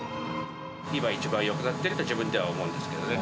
今、一番よくなっていると、自分では思うんですけどね。